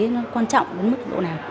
nó quan trọng đến mức độ nào